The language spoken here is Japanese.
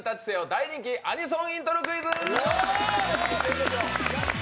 大人気アニメソングイントロクイズ！